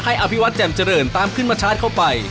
อภิวัตรแจ่มเจริญตามขึ้นมาชาร์จเข้าไป